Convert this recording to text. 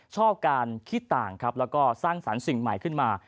ชอบการคิดต่างครับแล้วก็สร้างสรรค์สิ่งใหม่ขึ้นมา